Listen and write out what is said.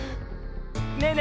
ねえねえ